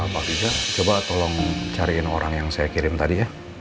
pak fiza coba tolong cariin orang yang saya kirim tadi ya